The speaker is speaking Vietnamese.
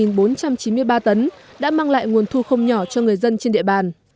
tổng sản lượng đạt ba trăm chín mươi ba tấn đã mang lại nguồn thu không nhỏ cho người dân trên địa bàn